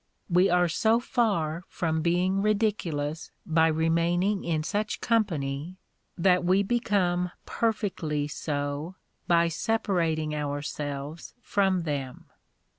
We are so far from being ridiculous by remaining in such company, that we become perfectly so by separating ourselves from them.